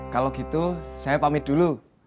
kalau gitu saya pamit dulu